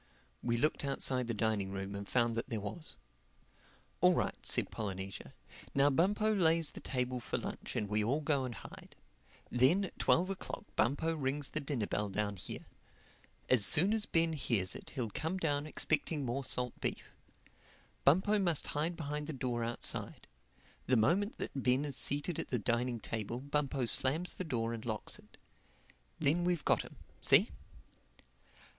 We looked outside the dining room and found that there was. "All right," said Polynesia. "Now Bumpo lays the table for lunch and we all go and hide. Then at twelve o'clock Bumpo rings the dinner bell down here. As soon as Ben hears it he'll come down expecting more salt beef. Bumpo must hide behind the door outside. The moment that Ben is seated at the dining table Bumpo slams the door and locks it. Then we've got him. See?"